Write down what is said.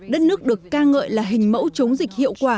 đất nước được cao tuổi của gia đình